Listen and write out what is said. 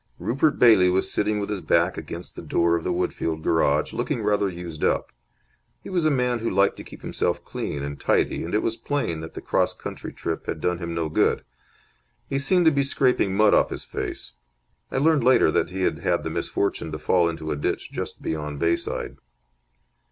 Rupert Bailey was sitting with his back against the door of the Woodfield Garage, looking rather used up. He was a man who liked to keep himself clean and tidy, and it was plain that the cross country trip had done him no good. He seemed to be scraping mud off his face. I learned later that he had had the misfortune to fall into a ditch just beyond Bayside.